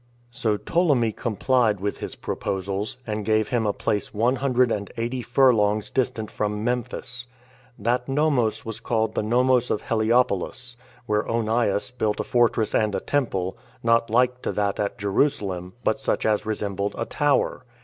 3. So Ptolemy complied with his proposals, and gave him a place one hundred and eighty furlongs distant from Memphis. 20 That Nomos was called the Nomos of Hellopolis, where Onias built a fortress and a temple, not like to that at Jerusalem, but such as resembled a tower.